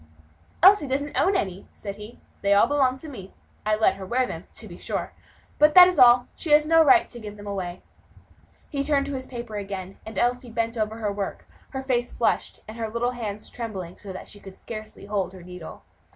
"Elsie doesn't own any," said he; "they all belong to me. I let her wear them, to be sure, but that is all; she has no right to give them away." He turned to his paper again, and Elsie bent over her work, her face flushed, and her little hand trembling so that she could scarcely hold her needle.